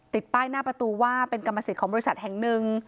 ป้ายหน้าประตูว่าเป็นกรรมสิทธิ์ของบริษัทแห่งหนึ่ง